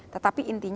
tetapi intinya mengapa